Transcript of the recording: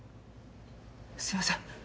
すいません。